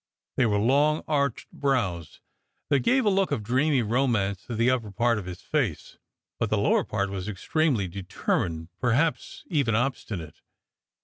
They were long, arched brows that gave a look of dreamy romance to the upper part of his face, but the lower part was extremely determined, perhaps even obstinate.